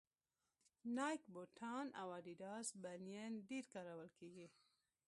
نایک بوټان او اډیډاس بنېن ډېر کارول کېږي